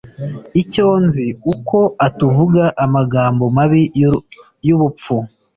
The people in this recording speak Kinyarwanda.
Icyo nzi uko atuvuga amagambo mabi y’ubupfu.